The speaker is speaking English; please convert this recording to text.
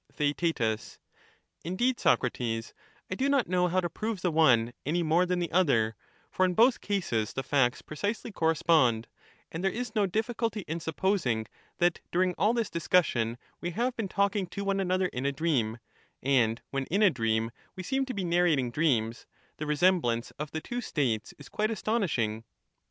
vtrsa'i Theaet Indeed, Socrates, I do not know how to prove the one any more than the other, for in both cases the facts precisely correspond ; and there is no difficulty in supposing that during all this discussion we have been talking to one another in a dream; and when in a dream' we seem to be narrating dreams, the resemblance of the two states is quite astonishing.